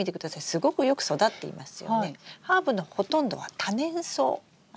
すごくよく育っていますよね。